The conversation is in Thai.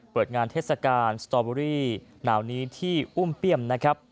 เปิดงานเทศกาลสตอเบอรี่หนาวนี้ที่อุ้มเปี้ยมนะครับ